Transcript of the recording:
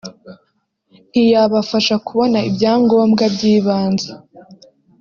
ntiyabafasha kubona ibyangombwa by’ibanze”